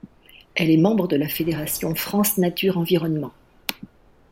Elle est membre de la fédération France Nature Environnement.